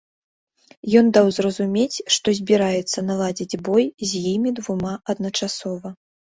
Ён даў зразумець, што збіраецца наладзіць бой з імі двума адначасова.